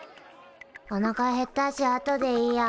おなかへったしあとでいいや。